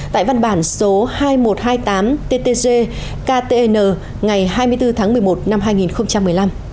tại văn bản số hai nghìn một trăm hai mươi tám ttg ktn ngày hai mươi bốn tháng một mươi một năm hai nghìn một mươi năm